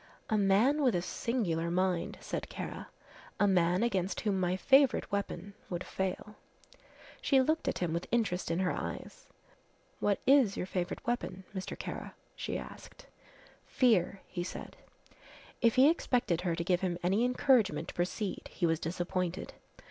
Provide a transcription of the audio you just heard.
"A man with a singular mind," said Kara; "a man against whom my favourite weapon would fail." She looked at him with interest in her eyes. "What is your favourite weapon, Mr. Kara?" she asked. "Fear," he said. If he expected her to give him any encouragement to proceed he was disappointed.